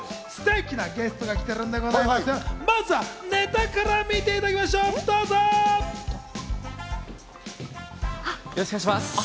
ステキなゲストが来てるんでございます。